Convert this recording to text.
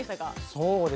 そうですね